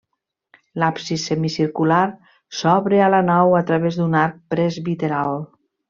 L'absis semicircular s'obre a la nau a través d'un arc presbiteral.